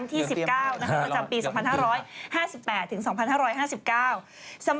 สวัสดีครับ